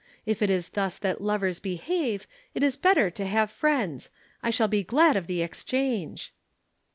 If it is thus that lovers behave, it is better to have friends. I shall be glad of the exchange.'